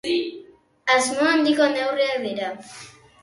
Asmo handiko neurriak dira.